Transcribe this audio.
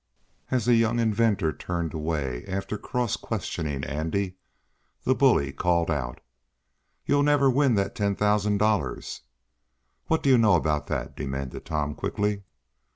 As the young inventor turned away after cross questioning Andy, the bully called out: "You'll never win that ten thousand dollars!" "What do you know about that?" demanded Tom quickly.